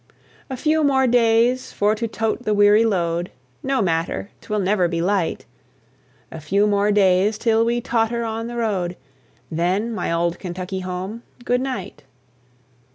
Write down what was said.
A few more days for to tote the weary load, No matter, 'twill never be light; A few more days till we totter on the road: Then my old Kentucky home, good night!